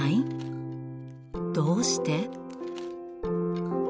どうして？